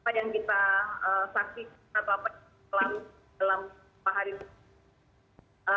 apa yang kita saksikan atau apa yang kita pelan dalam bahasa indonesia